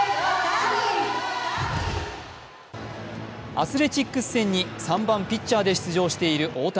アスレチックス戦に３番ピッチャーで出場している大谷。